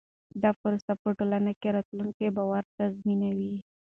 دا پروسه په ټولنه کې راتلونکی باور تضمینوي.